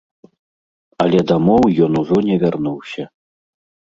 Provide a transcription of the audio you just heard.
Але дамоў ён ужо не вярнуўся.